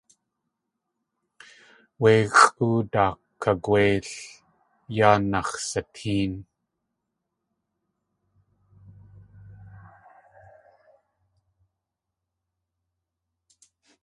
Wéi xʼóow daakagwéil yaa nax̲satéen.